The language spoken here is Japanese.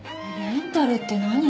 レンタルって何？